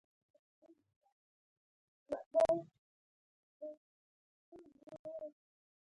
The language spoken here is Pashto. تاسو راځئ زه هم در نږدې يم